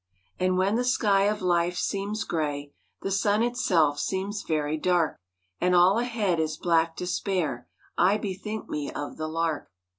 And when the sky of life seems grey, The sun itself seems very dark, And all ahead is black despair, I bethink me of the lark.